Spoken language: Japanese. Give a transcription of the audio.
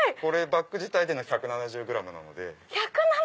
バッグ自体で１７０ｇなので。